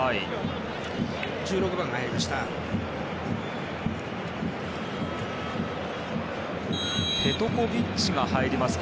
１６番が入りましたね。